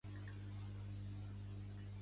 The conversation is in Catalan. Pertany al moviment independentista la Pam?